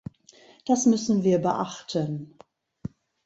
Das müssen wir beachten.